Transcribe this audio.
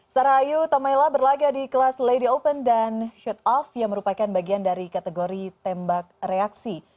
sarah ayu tamaela berlaga di kelas lady open dan shot off yang merupakan bagian dari kategori tembak reaksi